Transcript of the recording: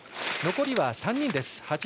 残りは３人です。